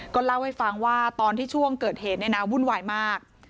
เล่าให้ฟังว่าตอนที่ช่วงเกิดเหตุเนี่ยนะวุ่นวายมาก